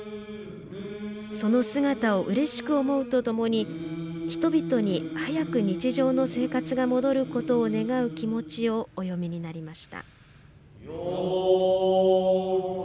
その姿をうれしく思うとともに人々に早く日常の生活が戻ることを願う気持ちをお詠みになりました。